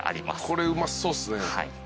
これうまそうっすね。